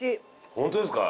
ホントですか？